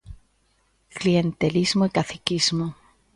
Clientelismo e caciquismo.